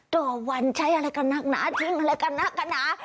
ตัววันใช้อะไรกันนักหนาจริงอะไรกันนักหนา